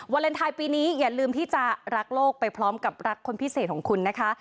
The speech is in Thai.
เลนไทยปีนี้อย่าลืมที่จะรักโลกไปพร้อมกับรักคนพิเศษของคุณนะคะ